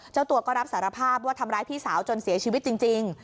เจ้าตัวก็รับสารภาพว่าทำร้ายพี่สาวจนเสียชีวิตจริง